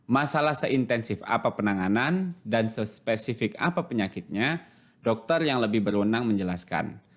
masalah seintensif apa penanganan dan sespesifik apa penyakitnya dokter yang lebih berwenang menjelaskan